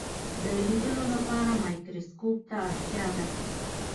د لیدلو لپاره مایکروسکوپ ته اړتیا ده.